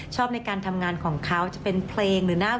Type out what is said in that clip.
ชอบในการทำงานของเขาจะเป็นเพลงหรือหน้า